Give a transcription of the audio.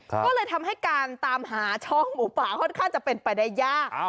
ก็เลยทำให้การตามหาช่องหมูป่าค่อนข้างจะเป็นไปได้ยาก